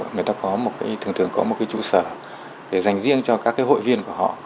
người ta thường thường có một trụ sở để dành riêng cho các hội viên của họ